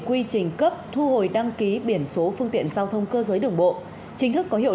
quy trình cấp thu hồi đăng ký biển số phương tiện giao thông cơ giới đường bộ chính thức có hiệu